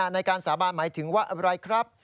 ในการสาบานหมายถึงว่าอะไรครับ